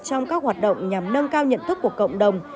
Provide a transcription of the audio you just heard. trong các hoạt động nhằm nâng cao nhận thức của cộng đồng